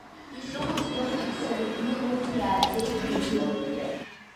Ишыхәыҷқәаз игәцаракны, урҭ иааӡеит Баџы.